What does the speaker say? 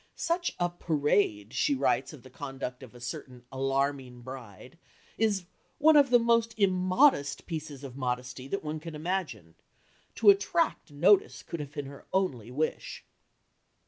"Such a parade," she writes of the conduct of a certain "alarming bride," is "one of the most immodest pieces of modesty that one can imagine. To attract notice could have been her only wish."